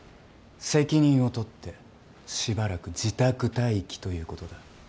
責任を取ってしばらく自宅待機ということだ。